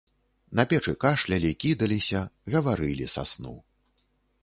На печы кашлялі, кідаліся, гаварылі са сну.